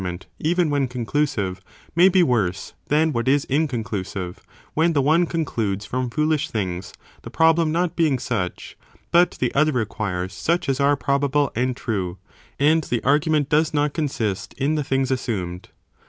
For sometimes an argument, even when conclusive, may be worse than what is incon clusive, when the one concludes from foolish things, the pro blem not being such, but the other requires such as are proba ble and true, and the argument does not consist in the things assumed.